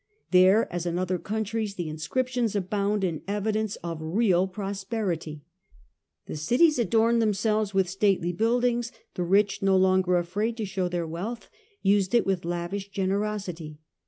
There, as in other countries, prosperity, the inscriptions abound in eviden ce of real prosperity The cities adorned themselves with stately buildings; the rich, no longer afraid to show their wealth, used it with lavish generosity.